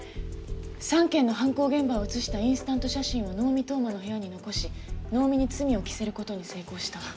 「３件の犯行現場を写したインスタント写真を能見冬馬の部屋に残し能見に罪を着せることに成功した」